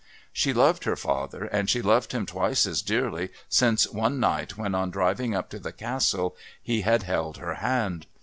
She loved her father, and she loved him twice as dearly since one night when on driving up to the Castle he had held her hand.